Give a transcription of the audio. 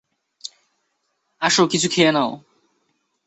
আসো, কিছু খেয়ে নাও।